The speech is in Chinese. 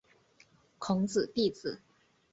孔子弟子。